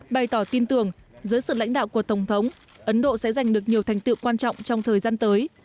bày tỏ tin tưởng dưới sự lãnh đạo của tổng thống ấn độ sẽ giành được nhiều thành tựu quan trọng trong thời gian tới